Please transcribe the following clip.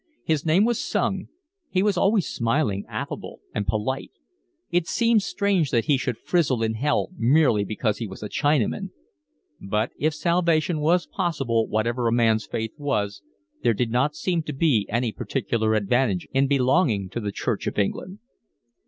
His name was Sung. He was always smiling, affable, and polite. It seemed strange that he should frizzle in hell merely because he was a Chinaman; but if salvation was possible whatever a man's faith was, there did not seem to be any particular advantage in belonging to the Church of England.